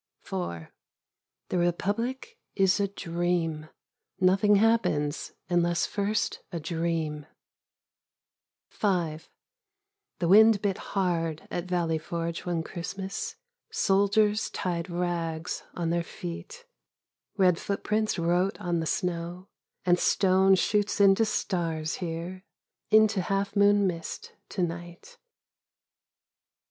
The republic is a dream. Nothing happens unless first a dream. The wind bit hard at Valley Forge one Christmas. Soldiers tied rags on their feet. Washington Monument by Night 19 Red footprints wrote on the snow ...... and stone shoots into stars here ... into half moon mist to night.